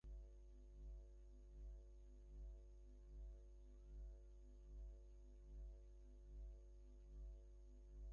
তুমি একটি ক্যাবে চড়লে, তারপর দেখলে চালকের আসনে বসা একজন নিউ জার্সির খুনি।